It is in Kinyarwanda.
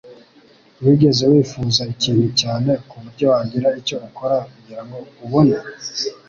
Wigeze wifuza ikintu cyane kuburyo wagira icyo ukora kugirango ubone?